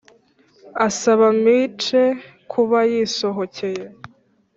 asaba miche kuba yisohokeye.